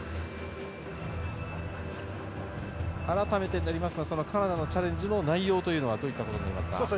改めてになりますがカナダのチャレンジの内容というのはどういったことになりますでしょうか。